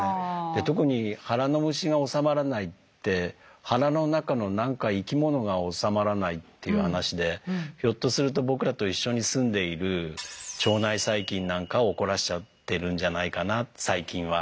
で特に腹の虫が治まらないって腹の中の何か生き物が治まらないっていう話でひょっとすると僕らと一緒に住んでいる腸内細菌なんかを怒らせちゃってるんじゃないかな最近は。